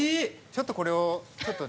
ちょっとこれをちょっとね。